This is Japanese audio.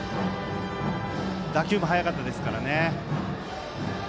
打球も速かったですからね。